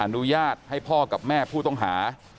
อนุญาตให้พ่อกับแม่ผู้ต้องหา